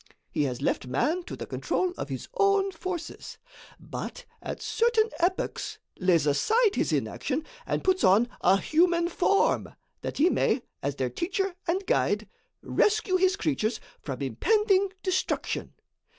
He has left man to the control of his own forces, but, at certain epochs, lays aside his inaction and puts on a human form that he may, as their teacher and guide, rescue his creatures from impending destruction.